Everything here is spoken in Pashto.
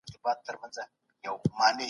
تېروتنه کول عیب نه دی.